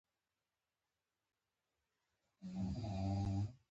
کلتور د افغانستان د جغرافیې یو له ډېرو غوره او ښو بېلګو څخه دی.